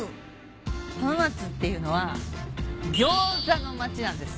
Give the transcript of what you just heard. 浜松っていうのはギョーザの町なんです。